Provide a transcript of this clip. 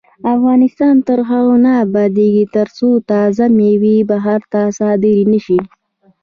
افغانستان تر هغو نه ابادیږي، ترڅو تازه میوې بهر ته صادرې نشي.